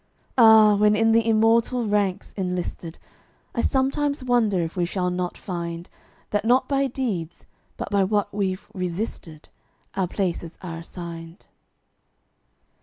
Ah! when in the immortal ranks enlisted, I sometimes wonder if we shall not find That not by deeds, but by what we've resisted, Our places are assigned.